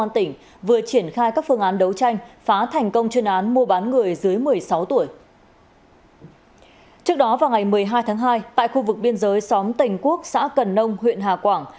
trước đó vào ngày một mươi hai tháng hai tại khu vực biên giới xóm tình quốc xã cần nông huyện hà quảng